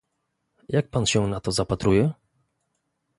jak pan się na to zapatruje?